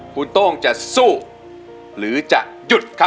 พี่ต้องรู้หรือยังว่าเพลงอะไร